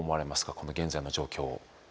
この現在の状況。